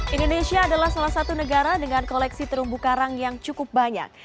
indonesia adalah salah satu negara dengan koleksi terumbu karang yang cukup banyak